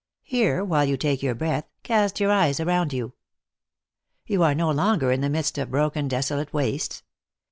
Here while you take breath, cast your eyes around yon. You are no longer in the midst of broken, desolate wastes.